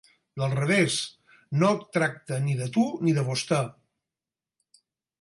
Del revés, no et tracta ni de tu ni de vostè.